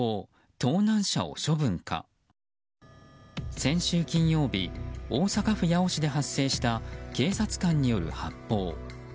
先週金曜日大阪府八尾市で発生した警察官による発砲。